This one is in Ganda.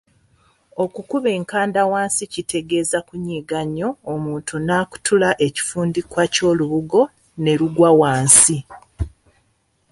Okukuba enkanda wansi kitegeeza kunyiiga nnyo omuntu n'akutula ekifundikwa ky'olubugo ne lugwa wansi.